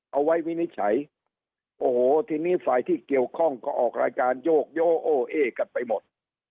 วินิจฉัยโอ้โหทีนี้ฝ่ายที่เกี่ยวข้องก็ออกรายการโยกโยโอ้เอกันไปหมด